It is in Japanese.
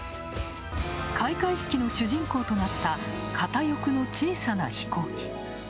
開会式の主人公となった片翼の小さな飛行機。